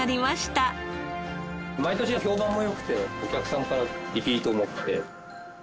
毎年の評判も良くてお客さんからリピートもきて。